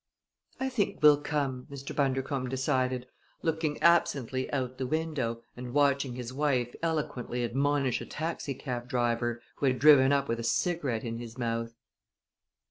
"I think we'll come," Mr. Bundercombe decided, looking absently out the window and watching his wife eloquently admonish a taxicab driver, who had driven up with a cigarette in his mouth.